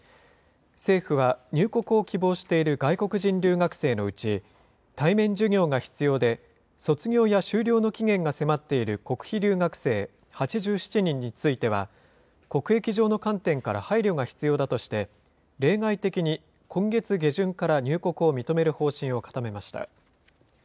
政府は入国を希望している外国人留学生のうち、対面授業が必要で、卒業や修了の期限が迫っている国費留学生８７人については、国益上の観点から配慮が必要だとして、例外的に今月下旬から入国を認める方針を固めました。